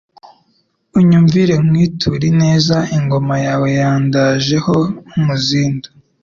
Unyumvire nkwiture ineza, Ingoma yawe yandaje ho umuzindu*